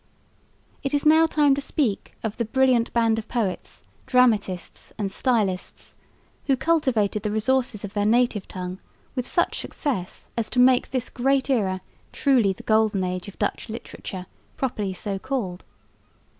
It is now time to speak of the brilliant band of poets, dramatists and stylists, who cultivated the resources of their native tongue with such success as to make this great era truly the Golden Age of Dutch Literature properly so called.